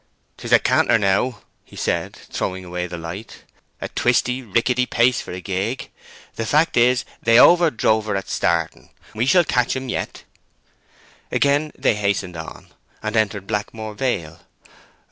"'Tis a canter now," he said, throwing away the light. "A twisty, rickety pace for a gig. The fact is, they over drove her at starting; we shall catch 'em yet." Again they hastened on, and entered Blackmore Vale.